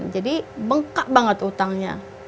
jadi bengkak banget utangnya